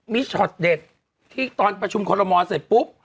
ไม่จับจะแล้ว